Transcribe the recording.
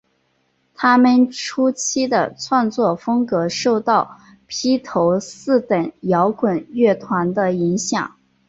她们初期的创作风格受到披头四等摇滚乐团的影响。